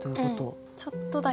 うんちょっとだけ。